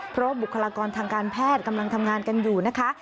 เพราะบุคลากรทางการแพทย์กำลังทำงานกันอยู่นะคะ